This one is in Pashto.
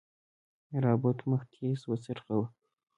رابرټ مخ تېز وڅرخوه.